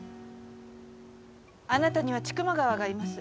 あなたには千曲川がいます。